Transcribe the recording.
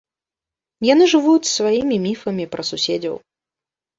Яны жывуць сваімі міфамі пра суседзяў.